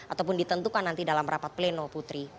ataupun ditentukan nanti dalam rapat pleno putri